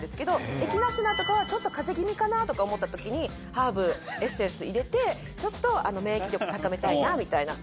エキナセアとかはちょっと風邪気味かなとか思った時にハーブエッセンス入れてちょっと免疫力高めたいなみたいな。